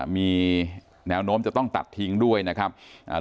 มีแนวโน้มจะต้องตัดทิ้งด้วยนะครับอ่า